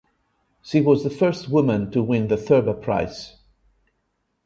She was the first woman to win the Thurber Prize.